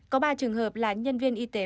có ba trường hợp là nhân viên y tế